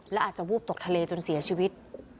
และอาจจะวูบตกทะเลจนเสียชีวิต